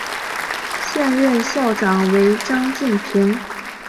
现任校长为张晋平。